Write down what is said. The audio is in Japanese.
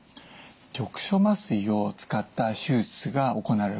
局所麻酔を使った手術が行われることが多いです。